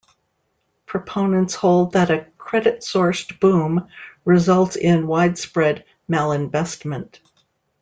Proponents hold that a credit-sourced boom results in widespread "malinvestment".